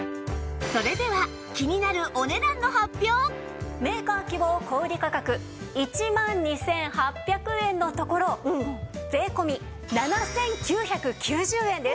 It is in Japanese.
それでは気になるメーカー希望小売価格１万２８００円のところ税込７９９０円です。